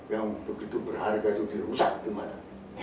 yang begitu berharga itu dirusak di mana